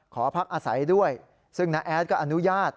ขอพักอาศัยด้วยซึ่งน้าแอดก็อนุญาต